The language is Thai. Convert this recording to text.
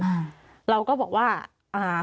อ่าเราก็บอกว่าอ่า